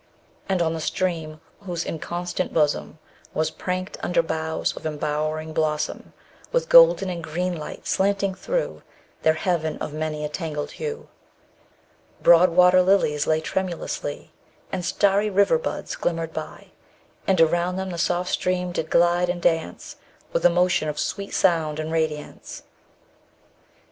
_40 And on the stream whose inconstant bosom Was pranked, under boughs of embowering blossom, With golden and green light, slanting through Their heaven of many a tangled hue, Broad water lilies lay tremulously, _45 And starry river buds glimmered by, And around them the soft stream did glide and dance With a motion of sweet sound and radiance.